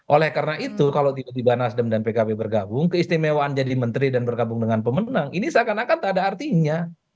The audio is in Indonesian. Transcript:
oleh karena itu kalau tiba tiba nasdem dan pkb bergabung keistimewaan jadi menteri dan bergabung dengan pemenang ini seakan akan tak ada artinya